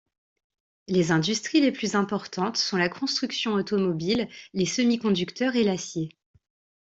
Les industries les plus importantes sont la construction automobile, les semi-conducteurs et l'acier.